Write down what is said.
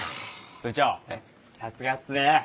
部長さすがっすね。